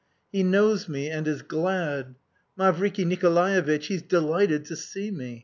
"He knows me, and is glad! Mavriky Nikolaevitch, he's delighted to see me!